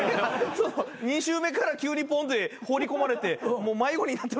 ２週目から急にポンって放り込まれてもう迷子になってました。